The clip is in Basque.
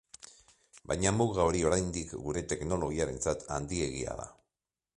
Baina muga hori oraindik gure teknologiarentzat handiegia da.